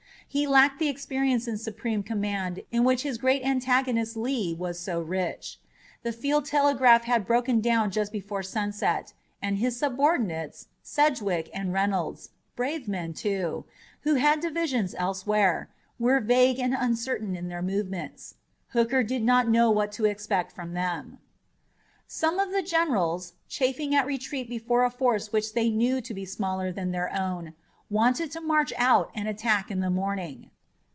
He lacked the experience in supreme command in which his great antagonist, Lee, was so rich. The field telegraph had broken down just before sunset, and his subordinates, Sedgwick and Reynolds, brave men too, who had divisions elsewhere, were vague and uncertain in their movements. Hooker did not know what to expect from them. Some of the generals, chafing at retreat before a force which they knew to be smaller than their own, wanted to march out and attack in the morning.